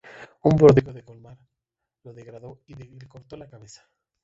Un verdugo de Colmar lo degradó y le cortó la cabeza.